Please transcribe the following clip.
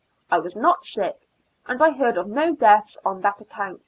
I was not sick, and I heard of no deaths on that account.